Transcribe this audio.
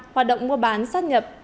hoạt động mua bán xác nhập